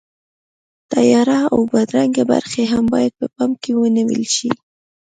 تیاره او بدرنګه برخې هم باید په پام کې ونیول شي.